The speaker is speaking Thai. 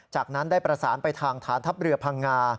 จากนั้นได้ประสานไปทางฐานทัพเรือพังงา